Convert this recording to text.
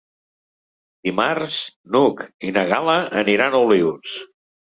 Dimarts n'Hug i na Gal·la aniran a Olius.